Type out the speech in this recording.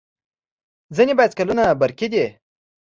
ځینې بایسکلونه برقي دي.